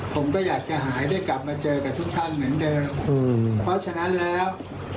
ผมก็อยากจะหายได้กลับมาเจอกับทุกท่านเหมือนเดิมเพราะฉะนั้นแล้ว